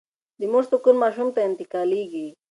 د مور سکون ماشوم ته انتقالېږي.